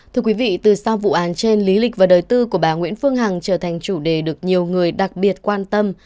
thưa quý vị từ sau vụ án trên lý lịch và đời tư của bà nguyễn phương hằng trở thành chủ đề được nhiều người đặc biệt quan tâm